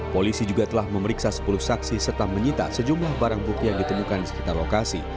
polisi juga telah memeriksa sepuluh saksi serta menyita sejumlah barang bukti yang ditemukan di sekitar lokasi